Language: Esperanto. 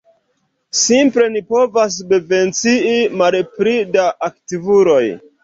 Simple ni povos subvencii malpli da aktivuloj.